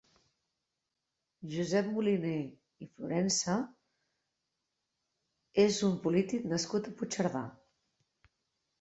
Josep Moliner i Florensa és un polític nascut a Puigcerdà.